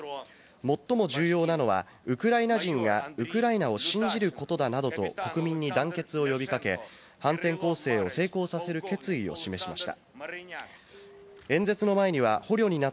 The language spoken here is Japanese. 最も重要なのはウクライナ人がウクライナを信じることだなどと、国民に団結を呼び掛け、反転攻勢を成功させる決意を示しました。